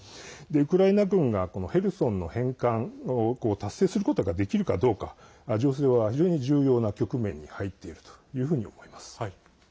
ウクライナ軍がヘルソンの返還を達成することができるかどうか情勢は非常に重要な局面に入っているというふうに思います。